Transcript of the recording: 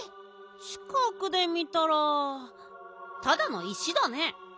ちかくで見たらただの石だね。